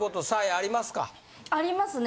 ありますね。